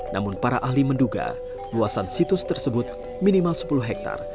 namun para ahli menduga luasan situs tersebut minimal sepuluh hektare